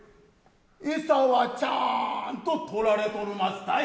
えさはちゃんと取られとるますたい。